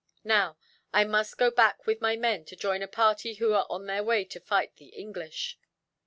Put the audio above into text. "Now, I must go back with my men to join a party who are on their way to fight the English.